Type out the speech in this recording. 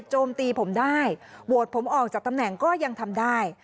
โจมตีผมได้โหวตผมออกจากตำแหน่งก็ยังทำได้